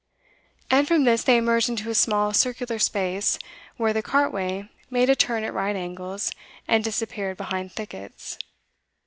And from this they emerged into a small circular space, where the cartway made a turn at right angles and disappeared behind thickets.